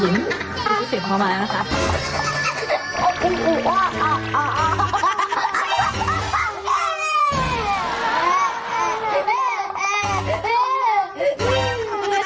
หิวพอมาแล้วนะครับ